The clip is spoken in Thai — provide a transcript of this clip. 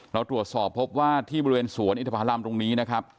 เราตรวจสอบพบว่าที่บริเวณสวนอินทภารำตรงนี้นะครับ